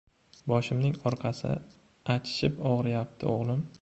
«Boshimning orqasi achishib og‘riyapti, o‘g‘lim.